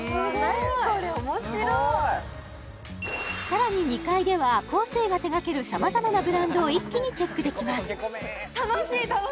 何これさらに２階ではＫＯＳＥが手がけるさまざまなブランドを一気にチェックできます